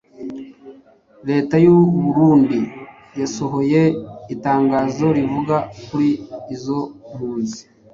leta y'u Burundi yasohoye itangazo rivuga kuri izo mpunzi